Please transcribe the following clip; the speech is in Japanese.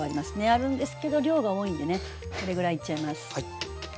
あるんですけど量が多いんでねこれぐらいいっちゃいます。